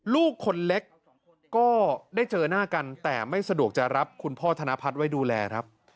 ลูกคนเล็กก็ได้เจอหน้ากันแต่ไม่สะดวกจะรับคุณพ่อธนพัฒน์ไว้ดูแลครับ